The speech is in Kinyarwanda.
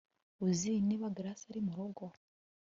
Uzi niba Grace ari murugo